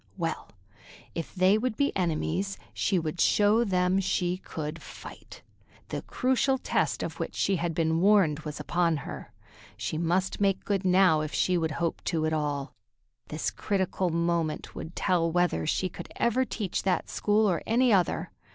Well, if they would be enemies, she would show them she could fight. The crucial test of which she had been warned was upon her. She must make good now if she would hope to at all. This critical moment would tell whether she could ever teach that school or any other.